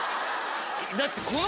だって。